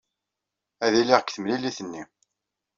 Ad iliɣ deg temlilit-nni.